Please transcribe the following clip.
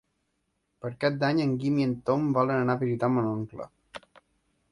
Per Cap d'Any en Guim i en Tom volen anar a visitar mon oncle.